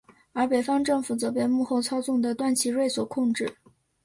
而北方政府则被幕后操纵的段祺瑞所控制。